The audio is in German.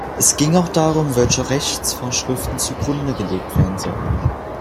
Es ging auch darum, welche Rechtsvorschriften zugrunde gelegt werden sollen.